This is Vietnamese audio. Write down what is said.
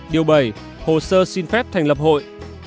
điều bảy hồ sơ xin phép thành lập hội